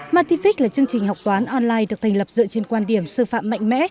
martific là chương trình học toán online được thành lập dựa trên quan điểm sư phạm mạnh mẽ